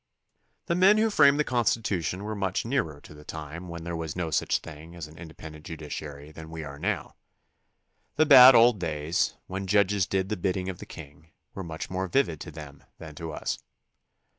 The men who framed the Constitution were much nearer to the time when there was no such thing as an independent judiciary than we are now. The bad old days, when judges did the bidding of the king, were much more vivid to them than to us.